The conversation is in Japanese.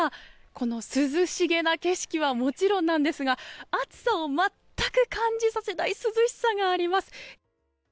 この涼しげな景色はもちろんなんですが暑さを全く感じさせない涼しさがあります。